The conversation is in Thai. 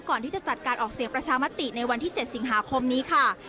ก่อนที่จะจัดการออกเสียงประชามติในวันที่๗สิงหาคมนี้ค่ะ